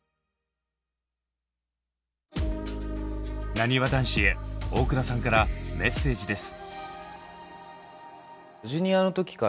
なにわ男子へ大倉さんからメッセージです。